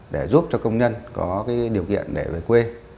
để giúp cho công nhân có điều kiện để về quê